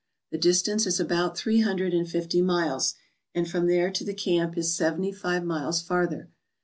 The distance is about three hundred and fifty miles, and from there to the camp is seventy five miles farther.